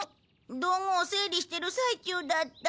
道具を整理してる最中だった。